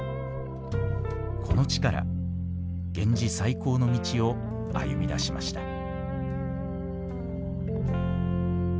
この地から源氏再興の道を歩みだしました。